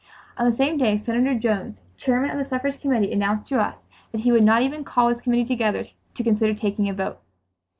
On the same day Senator Jones, Chairman of the Suffrage Committee, announced to us that he would not even call his Committee together to consider taking a vote.